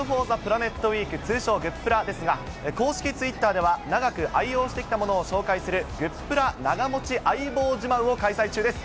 ウィーク、通称グップラですが、公式ツイッターでは、長く愛用してきたものを紹介するグップラ長もち相棒自慢を開催中です。